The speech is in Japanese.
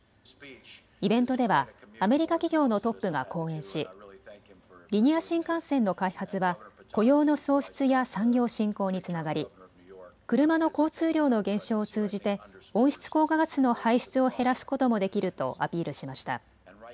イベントではアメリカ企業のトップが講演しリニア新幹線の開発は雇用の創出や産業振興につながり車の交通量の減少を通じて温室効果ガスの排出を減らすこともできるとアピールしました。